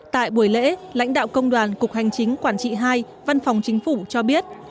tại buổi lễ lãnh đạo công đoàn cục hành chính quản trị hai văn phòng chính phủ cho biết